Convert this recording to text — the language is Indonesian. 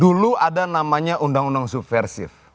dulu ada namanya undang undang subversif